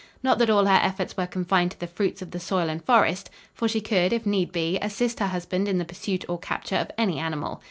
Not that all her efforts were confined to the fruits of the soil and forest, for she could, if need be, assist her husband in the pursuit or capture of any animal.